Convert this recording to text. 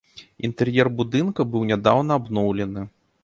Інтэр'ер будынка быў нядаўна абноўлены.